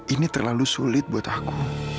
ini terlalu sulit buat aku